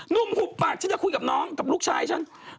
ุ่มหุบปากฉันจะคุยกับน้องกับลูกชายฉัน